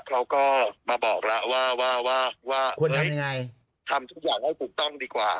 เขาก็มาบอกแล้วว่าว่าทำทุกอย่างให้ถูกต้องดีกว่า